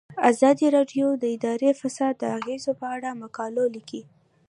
ازادي راډیو د اداري فساد د اغیزو په اړه مقالو لیکلي.